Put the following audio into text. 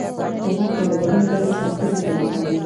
ځغاسته د بدن ګرم ساتلو طریقه ده